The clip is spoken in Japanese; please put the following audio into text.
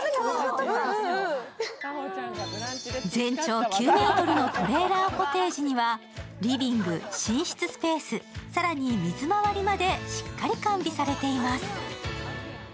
全長９ｍのトレーラーコテージには、リビング、寝室スペース、更に水まわりまでしっかり完備されています。